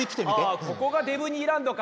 ああここがデブニーランドか。